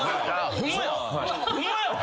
ホンマや！